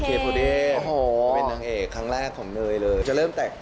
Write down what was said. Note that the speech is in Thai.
เจ้าสาวยังเป็นลูกชิ้นอยู่เลย